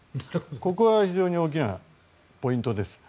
ここは非常に大きなポイントです。